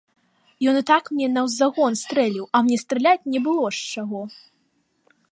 Ён і так мне наўздагон стрэліў, а мне страляць не было з чаго.